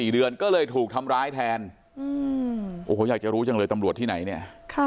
๔เดือนก็เลยถูกทำร้ายแทนโอ้โหอยากจะรู้จังเลยตำรวจที่ไหนเนี่ย